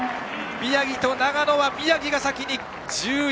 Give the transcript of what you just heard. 宮城と長野は宮城が先、１０位。